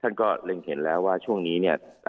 ท่านก็เห็นแล้วว่าช่วงนี้